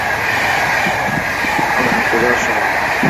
এখন হাঁটতে যাওয়ার সময়।